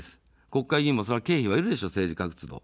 国会議員も経費がいるでしょう、政治活動。